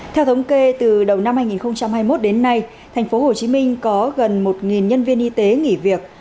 theo thống kê từ đầu năm hai nghìn hai mươi một đến nay thành phố hồ chí minh có gần một nhân viên y tế nghỉ việc